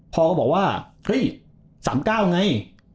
พอก็บอกว่าเฮ้ย๓๙ไง